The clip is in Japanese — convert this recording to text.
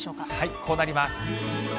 こうなります。